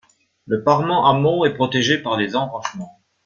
Le parement amont est protégé par des enrochements.